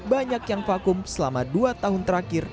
banyak yang vakum selama dua tahun terakhir